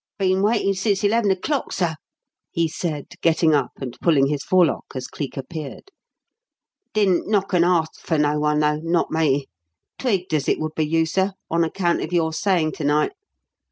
"Been waitin' since eleven o'clock, sir," he said, getting up and pulling his forelock as Cleek appeared. "Didn't knock and arsk for no one, though not me. Twigged as it would be you, sir, on account of your sayin' to night.